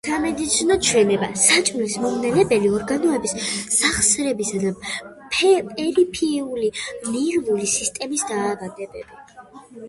სამედიცინო ჩვენება: საჭმლის მომნელებელი ორგანოების, სახსრებისა და პერიფერიული ნერვული სისტემის დაავადებები.